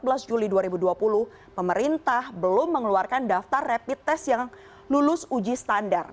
tapi sampai empat belas juli dua ribu dua puluh pemerintah belum mengeluarkan daftar rapid test yang lulus uji standar